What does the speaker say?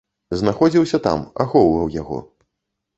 Знаходзіўся там, ахоўваў яго.